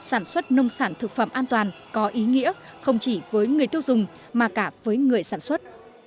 sản xuất nông sản thực phẩm an toàn có ý nghĩa không chỉ với người tiêu dùng mà cả với người sản xuất